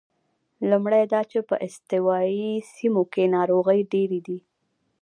لومړی دا چې په استوایي سیمو کې ناروغۍ ډېرې دي.